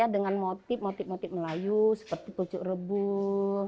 dengan motif motif melayu seperti kucuk rebung